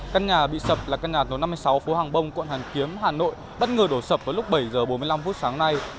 căn nhà bị sập là căn nhà số năm mươi sáu phố hàng bông quận hàn kiếm hà nội bất ngờ đổ sập vào lúc bảy h bốn mươi năm phút sáng nay